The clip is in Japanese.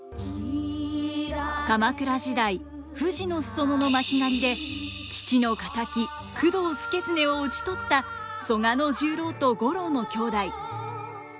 鎌倉時代富士の裾野の巻狩で父の敵工藤祐経を討ち取った曽我十郎と五郎の兄弟。